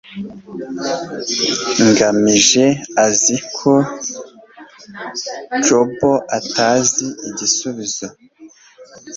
ngamije azi ko jabo atazi igisubizo